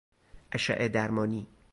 اشعه درمانی